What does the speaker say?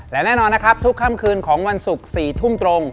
และแน่นอนนะครับทุกค่ำคืนของวันศุกร์๔ทุ่มตรง